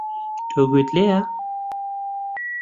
تۆ گوێت لێیە؟